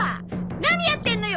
何やってんのよ！